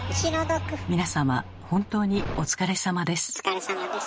皆様本当にお疲れさまです。